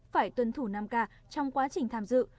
phải tuân thủ năm k trong quá trình tham dự